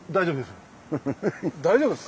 大丈夫です。